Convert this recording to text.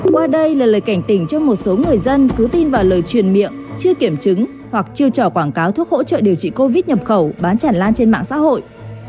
qua đây là lời cảnh tình cho một số người dân cứ tin vào lời truyền miệng chưa kiểm chứng hoặc chiêu trò quảng cáo thuốc hỗ trợ điều trị covid một mươi chín nhập khẩu bán chẳng lan trên mạng xã hội